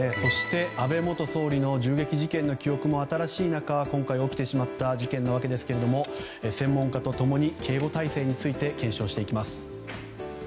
そして安倍元総理の銃撃事件の記憶も新しい中今回起きてしまった事件なわけですが専門家と共に警護態勢について検証していきます。